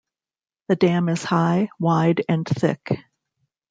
The dam is high, wide and thick.